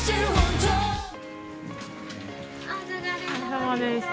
お疲れさまでした。